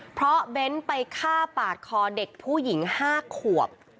เพราะเบ้นไปฆ่าปาดคอเด็กผู้หญิง๕ขวบ